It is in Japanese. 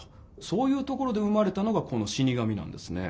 そういうところで生まれたのがこの「死神」なんですね。